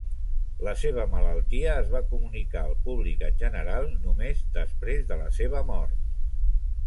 La seva malaltia es va comunicar al públic en general només després de la seva mort.